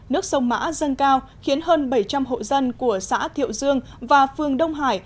nước sông mã dâng cao khiến hơn bảy trăm linh hộ dân của xã thiệu dương và phương đông hải